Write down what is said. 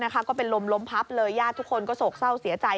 ก็เป็นลมพับเลยญาติทุกคนก็โศกเศร้าเสียใจ